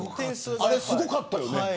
すごかったよね。